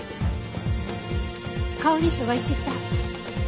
顔認証が一致した。